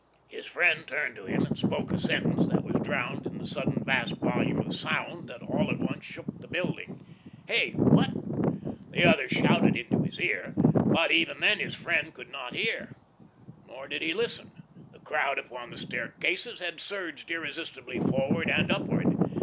His friend turned to him and spoke a sentence that was drowned in the sudden vast volume of sound that all at once shook the building. "Hey what?" The other shouted into his ear. But even then his friend could not hear. Nor did he listen. The crowd upon the staircases had surged irresistibly forward and upward.